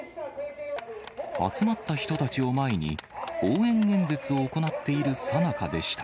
集まった人たちを前に、応援演説を行っているさなかでした。